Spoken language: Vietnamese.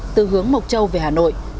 từ hướng mộc châu về hà nội